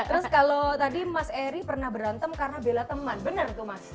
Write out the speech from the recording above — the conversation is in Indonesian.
terus kalau tadi mas eri pernah berantem karena bela teman benar tuh mas